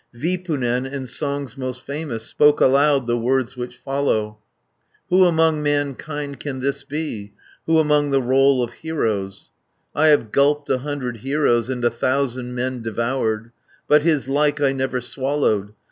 Vipunen, in songs most famous, Spoke aloud the words which follow: "Who among mankind can this be, Who among the roll of heroes? 150 I have gulped a hundred heroes, And a thousand men devoured, But his like I never swallowed.